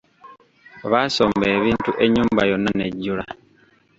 Baasomba ebintu ennyumba yonna nejjula.